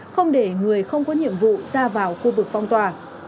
không để người không có nhiệm vụ ra vào khu vực phong tỏa